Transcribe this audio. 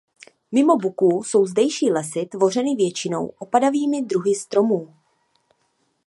Mimo buků jsou zdejší lesy tvořeny většinou opadavými druhy stromů.